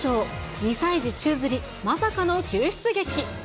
２歳児宙づり、まさかの救出劇。